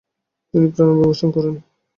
তিনি প্রাগে অভিবাসন করেন।